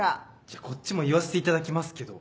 じゃこっちも言わせていただきますけど。